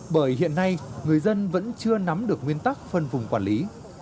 bởi hiện nay người dân vẫn chưa nắm được nguyên tắc phân vùng quản lý